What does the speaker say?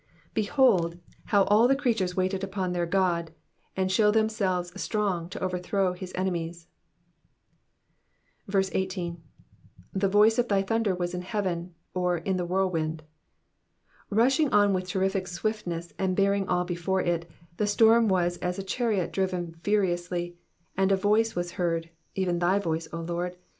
Behold, how all the creatures wait upon their God, ana show themselves strong to overthrow his enemies. 18. ^*^The toice of thy thunder was in the heaven^'''' or irt tlie whirlwind.'*" Rushing on with terrific swiftness and bearing all before it, the storm was as a chariot driven furiously, and a voice was heard (even thy voice, O Lord